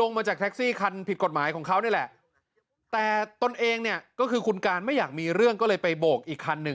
ลงมาจากแท็กซี่คันผิดกฎหมายของเขานี่แหละแต่ตนเองเนี่ยก็คือคุณการไม่อยากมีเรื่องก็เลยไปโบกอีกคันหนึ่ง